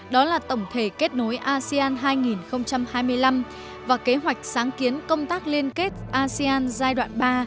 đó là tổng thể kết nối asean hai nghìn hai mươi năm và kế hoạch sáng kiến công tác liên kết asean giai đoạn ba